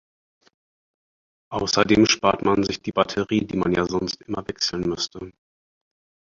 Außerdem spart man sich die Batterie, die man ja sonst immer wechseln müsste.